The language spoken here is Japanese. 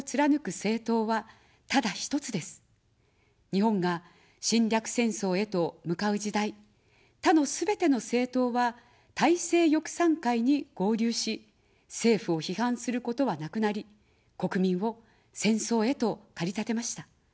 日本が侵略戦争へと向かう時代、他のすべての政党は大政翼賛会に合流し、政府を批判することはなくなり、国民を戦争へと駆り立てました。